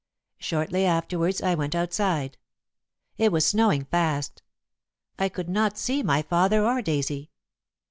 Shortly afterwards I went outside. It was snowing fast. I could not see my father or Daisy.